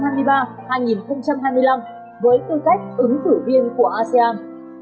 nhiệm kỳ hai nghìn hai mươi ba hai nghìn hai mươi năm với tư cách ứng thử viên của asean